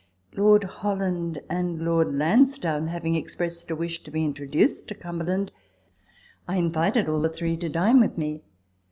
* Lord Holland and Lord Lansdowne having ex pressed a wish to be introduced to Cumberland, I invited all the three to dine with me.